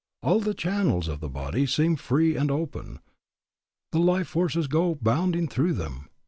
All the channels of the body seem free and open; the life forces go bounding through them.